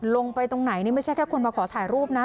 ลงไปตรงไหนนี่ไม่ใช่แค่คนมาขอถ่ายรูปนะ